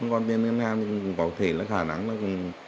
còn tiền ngân hàng có thể là khả năng